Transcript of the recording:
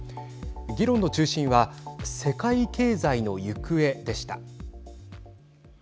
議論の中心は世界経済の行方でした。